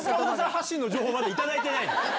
発信の情報、まだ頂いてないもん。